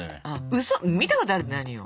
うそ見たことあるって何よ。